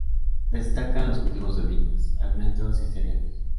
Destacan los cultivos de viñas, almendros y cereales.